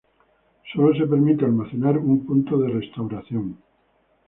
Solo se permite almacenar un punto de restauración.